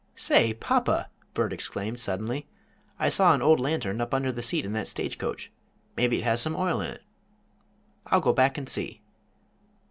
"Say, papa!" Bert exclaimed, suddenly, "I saw an old lantern up under the seat in that stagecoach. Maybe it has some oil in it. I'll go back and see."